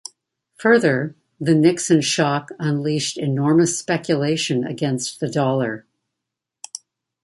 Further, the Nixon Shock unleashed enormous speculation against the dollar.